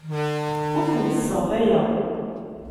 Ur tent-sseɣtayeɣ.